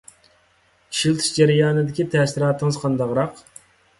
ئىشلىتىش جەريانىدىكى تەسىراتىڭىز قانداقراق؟